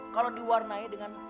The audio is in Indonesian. kalau diwarnai dengan